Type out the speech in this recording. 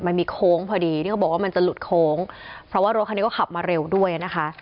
มันมีโค้งพอดีที่เขาบอกว่ามันจะหลุดโค้งเพราะว่ารถคันนี้ก็ขับมาเร็วด้วยนะคะ